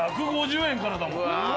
１５０円からだもん。